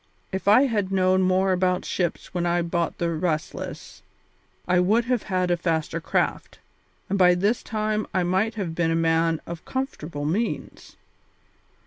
If I had known more about ships when I bought the Restless I would have had a faster craft, and by this time I might have been a man of comfortable means.